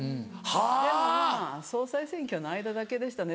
でもまぁ総裁選挙の間だけでしたね。